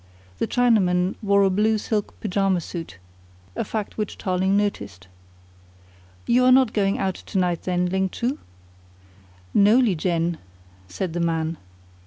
The Chinaman wore a blue silk pyjama suit a fact which Tarling noticed. "You are not going out to night then, Ling Chu?" "No, Lieh Jen," said the man.